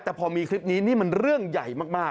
แต่พอมีคลิปนี้นี่มันเรื่องใหญ่มาก